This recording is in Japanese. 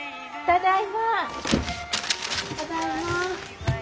・ただいま。